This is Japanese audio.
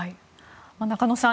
中野さん